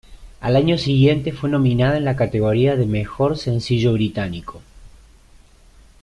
Al año siguiente fue nominada en la categoría de Mejor sencillo británico.